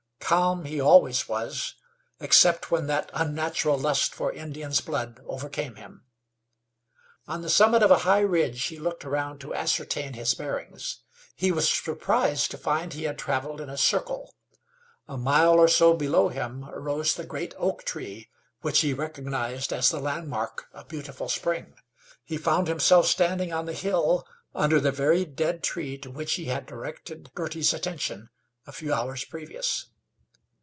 Calm he always was, except when that unnatural lust for Indians' blood overcame him. On the summit of a high ridge he looked around to ascertain his bearings. He was surprised to find he had traveled in a circle. A mile or so below him arose the great oak tree which he recognized as the landmark of Beautiful Spring. He found himself standing on the hill, under the very dead tree to which he had directed Girty's attention a few hours previous.